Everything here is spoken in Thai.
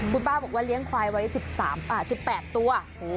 คุณป้าบอกว่าเลี้ยงควายไว้๑๘ตัว